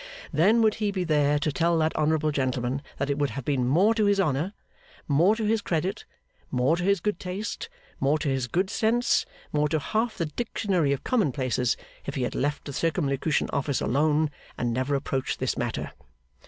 Then would he be there to tell that honourable gentleman that it would have been more to his honour, more to his credit, more to his good taste, more to his good sense, more to half the dictionary of commonplaces, if he had left the Circumlocution Office alone, and never approached this matter.